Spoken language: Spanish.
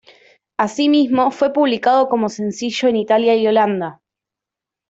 Asimismo, fue publicado como sencillo en Italia y Holanda.